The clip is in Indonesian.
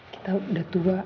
kita udah tua